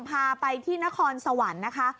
พาไปที่นครสวรรค์นะคะ